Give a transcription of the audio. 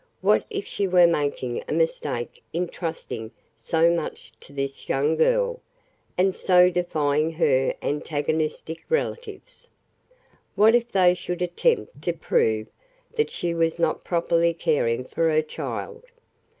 What if she were making a mistake in trusting so much to this young girl, and so defying her antagonistic relatives! What if they should attempt to prove that she was not properly caring for her child!